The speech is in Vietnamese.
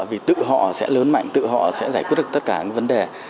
vì tự họ sẽ lớn mạnh tự họ sẽ giải quyết được tất cả những vấn đề